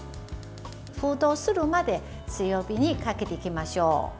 沸騰するまで強火にかけていきましょう。